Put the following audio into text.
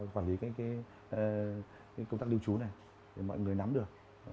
quản lý công tác lưu trú này để mọi người nắm được